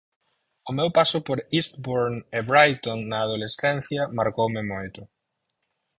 O meu paso por Eastbourne e Brighton na adolescencia marcoume moito.